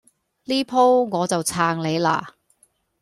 呢鋪我就撐你嘞